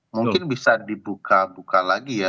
mungkin bisa dibuka buka lagi ya